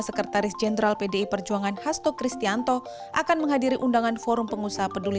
sekretaris jenderal pdi perjuangan hasto kristianto akan menghadiri undangan forum pengusaha peduli